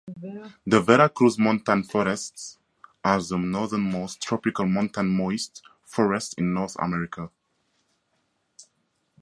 The Veracruz montane forests are the northernmost tropical montane moist forests in North America.